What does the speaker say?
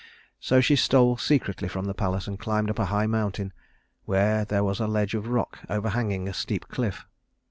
So she stole secretly from the palace and climbed up a high mountain, where there was a ledge of rock overhanging a steep cliff.